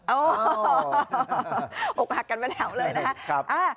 โอ้โฮออกหักกันมาเหนาเลยนะคะ